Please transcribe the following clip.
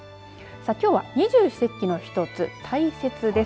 さあきょうは二十四節気の一つ、大雪です。